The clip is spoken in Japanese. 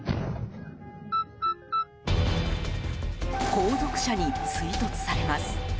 後続車に追突されます。